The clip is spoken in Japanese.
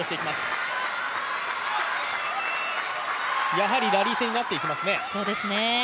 やはりラリー戦になっていきますね。